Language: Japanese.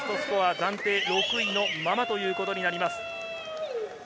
暫定６位のままということになります。